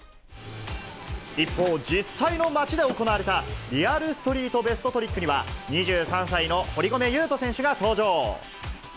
一方、実際の町で行われたリアルストリートベストトリックには、２３歳の堀米雄斗選手が登場。